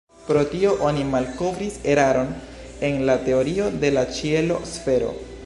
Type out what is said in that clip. Pro tio oni malkovris eraron en la teorio de la ĉielo-sfero.